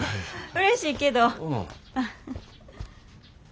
うれしいけど。